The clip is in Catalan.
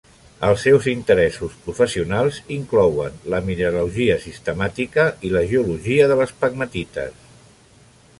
Els seus interessos professionals inclouen la mineralogia sistemàtica i la geologia de les pegmatites.